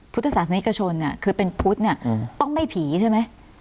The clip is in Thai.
พุทธศาสนิกชนเนี่ยคือเป็นพุทธเนี่ยต้องไม่ผีใช่ไหม